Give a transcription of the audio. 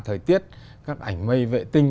thời tiết các ảnh mây vệ tinh